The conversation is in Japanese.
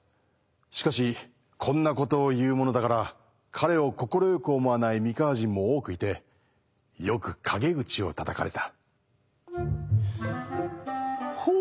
しかしこんなことを言うものだから彼を快く思わない三河人も多くいてよく陰口をたたかれた。